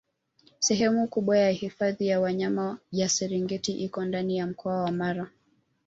Sehemu kubwa ya hifadhi ya Wanyama ya Serengeti iko ndani ya mkoa wa Mara